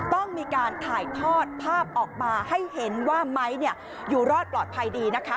ต้องมีการถ่ายทอดภาพออกมาให้เห็นว่าไม้อยู่รอดปลอดภัยดีนะคะ